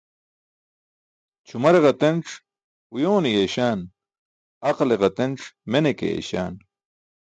Ćʰumare ģatenc uyoone yeeśaan, aqle ģatenc mene ke eeyśaan.